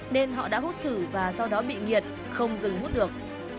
nên họ đã hút thử và sau đó bị nhiệt không dừng hút được